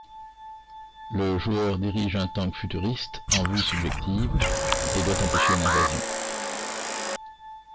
Le joueur dirige un tank futuriste en vue subjective et doit empêcher une invasion.